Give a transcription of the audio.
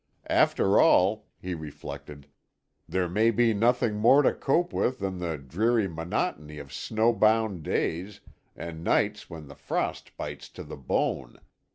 After all," he reflected, "there may be nothing more to cope with than the dreary monotony of snowbound days, and nights when the frost bites to the bone.